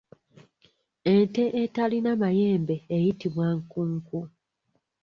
Ente eterina mayembe eyitibwa nkunku.